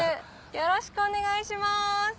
よろしくお願いします。